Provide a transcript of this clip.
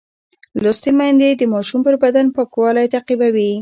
لوستې میندې د ماشوم پر بدن پاکوالی تعقیبوي.